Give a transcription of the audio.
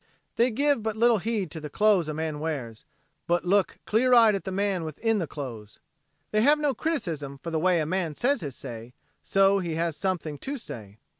They give but little heed to the clothes a man wears but look clear eyed at the man within the clothes. They have no criticism for the way a man says his say, so he has something to say.